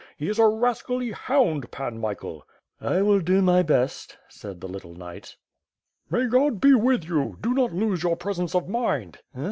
He is a rascally hound. Pan Michael." *n will do my best," said the little knight. 554 WITH FIRE AND SWORD. "May God be with you! Do not lose your presence of mind!"